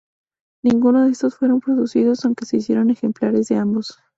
Ninguno de estos fueron producidos, aunque se hicieron ejemplares de ambos.